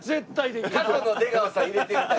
過去の出川さん入れてみたり？